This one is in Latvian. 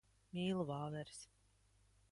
Mīlu vāveres.